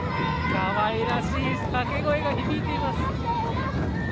かわいらしい掛け声が響いています。